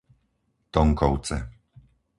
Tonkovce